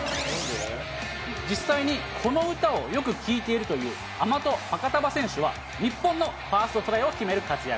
実際にこの歌をよく聴いているという、アマト・ファカタヴァ選手は、日本のファーストトライを決める活躍。